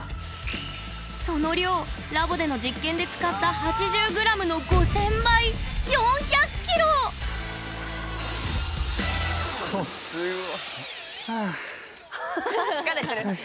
その量ラボでの実験で使った８０ｇの５０００倍疲れてる。